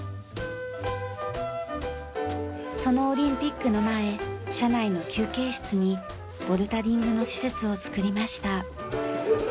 そのオリンピックの前社内の休憩室にボルダリングの施設を作りました。